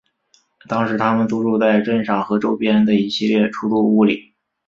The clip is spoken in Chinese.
当时他们租住在镇上和周边的一系列出租屋里。